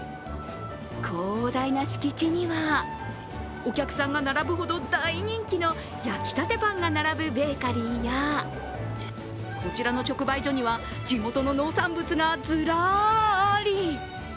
広大な敷地には、お客さんが並ぶほど大人気の焼きたてパンが並ぶベーカリーやこちらの直売所には地元の農産物がずらり。